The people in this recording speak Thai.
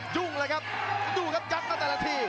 ยุ่งเลยครับดูครับยัดมาแต่ละที